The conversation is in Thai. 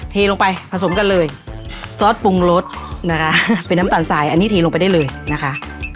เทลงไปผสมกันเลยซอสปรุงรสนะคะเป็นน้ำตาลสายอันนี้เทลงไปได้เลยนะคะ